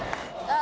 あ